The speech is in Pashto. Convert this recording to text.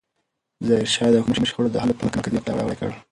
ظاهرشاه د قومي شخړو د حل لپاره مرکزي حکومت پیاوړی کړ.